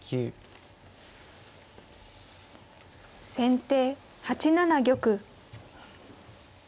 先手８七玉。